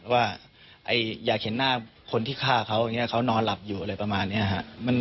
ว่าอยากเห็นหน้าคนที่ฆ่าเขาเขานอนหลับอยู่อะไรประมาณนี้อะค่ะ